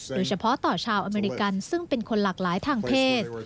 โดยเฉพาะต่อชาวอเมริกันซึ่งเป็นคนหลากหลายทางเพศ